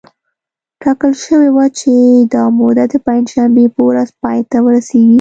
ټاکل شوې وه چې دا موده د پنجشنبې په ورځ پای ته ورسېږي